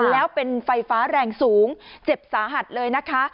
แล้วเป็นไฟฟ้าแรงสูงเจ็บสาหัสเลยนะคะ